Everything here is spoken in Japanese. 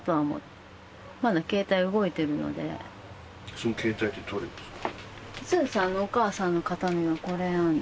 その携帯ってどれですか？